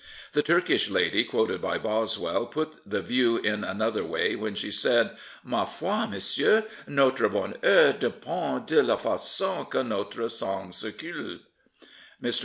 The Turkish lady quoted by Boswell put the view in another way when she said, " Ma foi, monsieur, notre bonheur depend de la fa^on que notre sang circule." Mr.